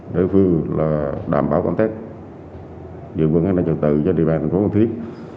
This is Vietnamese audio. để vừa là đảm bảo công tác dự vấn an ninh trật tự cho địa bàn thành phố phan thiết